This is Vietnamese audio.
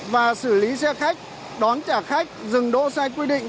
và xử lý xe khách đón trả khách dừng đỗ sai quy định